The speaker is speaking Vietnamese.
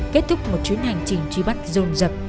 kết thúc một chuyến hành trình truy bắt dồn dập